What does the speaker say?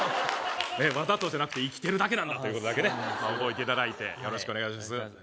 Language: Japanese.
わざとじゃなくて生きてるだけなんだということだけね覚えていただいてよろしくお願いいたします